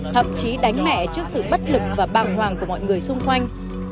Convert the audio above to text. thậm chí đánh mẹ trước sự bất lực và bàng hoàng của mọi người xung quanh